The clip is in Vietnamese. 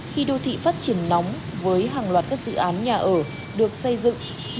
khi đô thị phát triển nóng với hàng loạt các dự án nhà ở được xây dựng